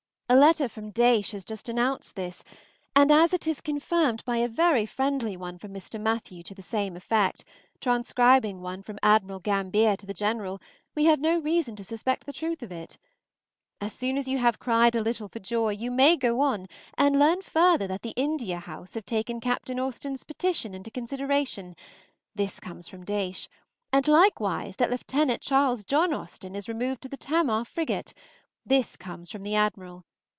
A letter from Daysh has just announced this, and as it is confirmed by a very friendly one from Mr. Mathew to the same effect, transcribing one from Admiral Gambier to the General, we have no reason to suspect the truth of it. As soon as you have cried a little for joy, you may go on, and learn further that the India House have taken Captain Austen's petition into consideration, this comes from Daysh, and likewise that Lieutenant Charles John Austen is removed to the "Tamar" frigate, this comes from the Admiral.